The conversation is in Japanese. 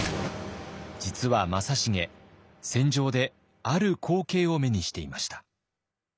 実は正成戦場である光景を目にしていました。